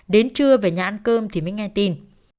đến trưa về nhà ăn cơm thì mới nghe tin